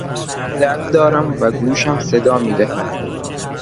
سردرد دارم و گوشم صدا میدهد.